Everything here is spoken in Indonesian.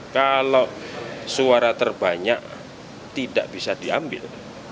kalau suara terbanyak tidak bisa diambil